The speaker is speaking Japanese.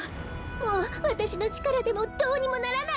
もうわたしのちからでもどうにもならないのね。